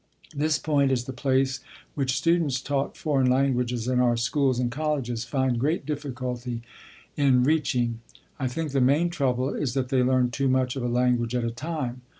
This point is the place which students taught foreign languages in our schools and colleges find great difficulty in reaching. I think the main trouble is that they learn too much of a language at a time.